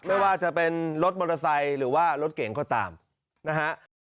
ไม่ว่าจะเป็นรถมอเตอร์ไซค์หรือว่ารถเก่งก็ตามนะฮะ